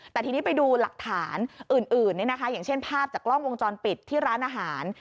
แต่ทีนี้ไปดูหลักฐานอื่นอย่างเช่นภาพจากกล้องวงจรปิดที่ร้านอาหาร